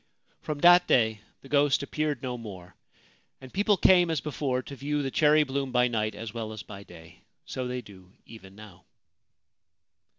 From that day the ghost appeared no more, and people came as before to view the cherry bloom by night as well as by day ; so they do even now.